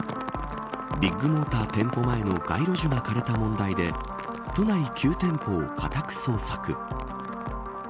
ビッグモーター店舗前の街路樹が枯れた問題で都内９店舗を家宅捜索。